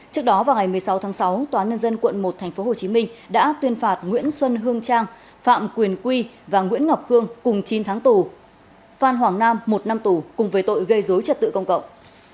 trước đó vào ngày một mươi sáu tháng sáu tòa nhân dân quận một tp hcm đã tuyên phạt nguyễn xuân hương trang phạm quyền quy và nguyễn ngọc khương cùng chín tháng tù phan hoàng nam một năm tù cùng với tội gây dối trật tự công cộng